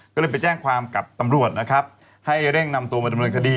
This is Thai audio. ก็เลยไปแจ้งความกับตำรวจนะครับให้เร่งนำตัวมาดำเนินคดี